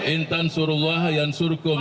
intan surullah yang surkum